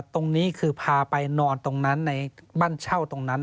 ตรงนี้คือพาไปนอนตรงนั้นในบ้านเช่าตรงนั้น